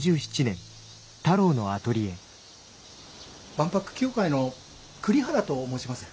万博協会の栗原と申します。